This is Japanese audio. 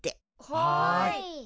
はい。